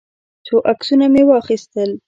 څو عکسونه مې واخیستل.